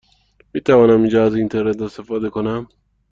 می توانم اینجا از اینترنت استفاده کنم؟